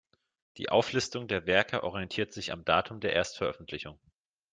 Die Auflistung der Werke orientiert sich am Datum der Erstveröffentlichung.